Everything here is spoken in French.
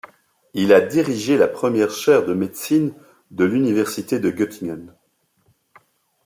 Il a dirigé la première chaire de médecine de l'université de Göttingen.